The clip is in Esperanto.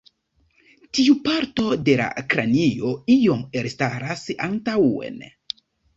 Tiu parto de la kranio iom elstaras antaŭen.